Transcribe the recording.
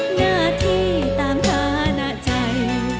หน้าที่ตามฐานะใจ